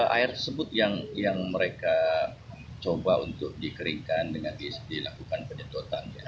air tersebut yang mereka coba untuk dikeringkan dengan dilakukan penyedotan